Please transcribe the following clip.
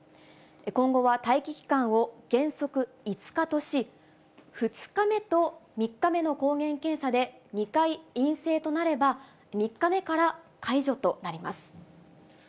今後は待期期間を原則５日とし、２日目と３日目の抗原検査で２回陰性となれば、３日目から解除となります。